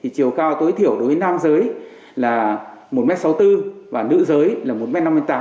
chiều cao tối thiểu đối với nam giới là một m sáu mươi bốn và nữ giới là một m năm mươi tám